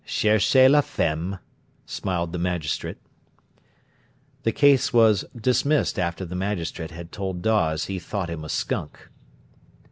"Cherchez la femme!" smiled the magistrate. The case was dismissed after the magistrate had told Dawes he thought him a skunk.